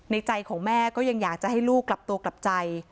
ใจของแม่ก็ยังอยากจะให้ลูกกลับตัวกลับใจ